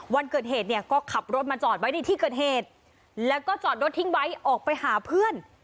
วันเกิดเหตุเนี่ยก็ขับรถมาจอดไว้ในที่เกิดเหตุแล้วก็จอดรถทิ้งไว้ออกไปหาเพื่อน